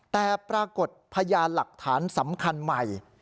แต่ปรากฏพยานหลักฐานสำคัญใหม่